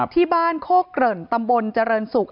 ที่บ้านโคกร่นตำบลจริงสุข